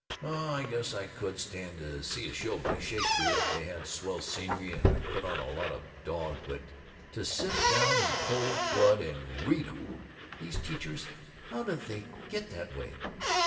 "Oh, I guess I could stand it to see a show by Shakespeare, if they had swell scenery and put on a lot of dog, but to sit down in cold blood and read 'em These teachers how do they get that way?"